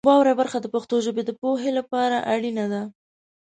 واورئ برخه د پښتو ژبې د پوهې لپاره اړینه ده.